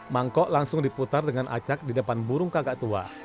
mangkok langsung diputar dengan acak di depan burung kakak tua